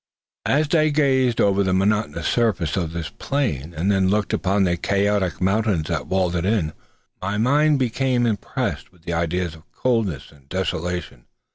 As I gazed over the monotonous surface of this plain, and then looked upon the chaotic mountains that walled it in, my mind became impressed with ideas of coldness and desolation.